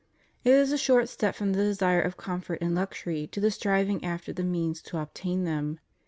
It is a short step from the desire of comfort and luxury to the striving after the means to obtain them.